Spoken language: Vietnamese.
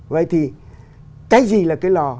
vậy thì cái gì là cái lò